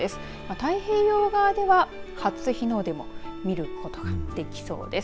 太平洋側では初日の出も見ることができそうです。